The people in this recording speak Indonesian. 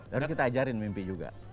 harus kita ajarin mimpi juga